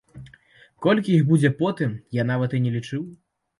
Колькі іх будзе потым, я нават і не лічыў.